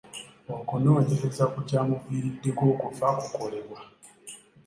Okunoonyereza ku kyamuviiriddeko okufa kukolebwa.